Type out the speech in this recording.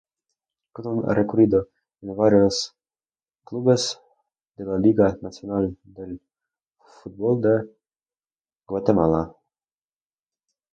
Con un recorrido en varios clubes de la Liga Nacional de Fútbol de Guatemala.